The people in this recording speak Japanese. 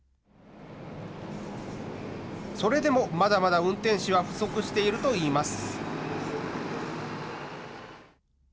それでも、まだまだ運転手は不足しているといいます。